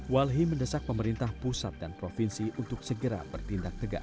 walhi mendesak pemerintah pusat dan provinsi untuk mengembangkan tanah yang berpengaruh